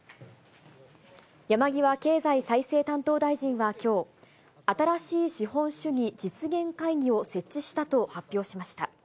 山際経済再生担当大臣はきょう、新しい資本主義実現会議を設置したと発表しました。